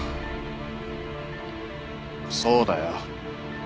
そうだよ。